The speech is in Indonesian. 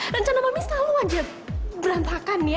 dan sama mi selalu aja berantakan ya